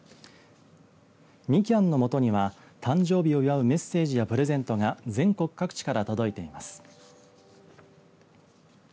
みきゃんのもとには誕生日を祝うメッセージやプレゼントが全国各地から届いています。